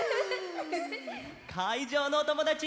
かいじょうのおともだち